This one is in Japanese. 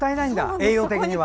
栄養的には。